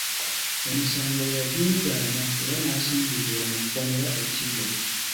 Emisango yagyegaana era n’asindikibwa mu kkomera e Kigo.